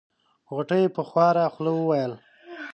غوټۍ په خواره خوله وويل.